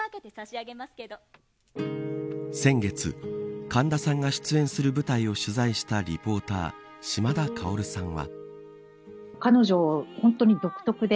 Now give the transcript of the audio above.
先月、神田さんが出演する舞台を取材したリポーター、島田薫さんは。